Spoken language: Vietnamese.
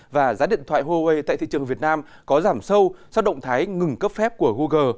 và giá điện thoại huawei tại thị trường việt nam có giảm sâu sau động thái ngừng cấp phép của google